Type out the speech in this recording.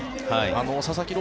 佐々木朗